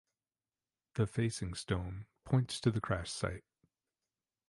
The facing stone points to the crash site.